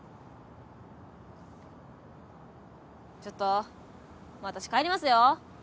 ちょっともう私帰りますよ？